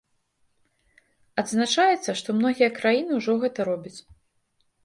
Адзначаецца, што многія краіны ўжо гэта робяць.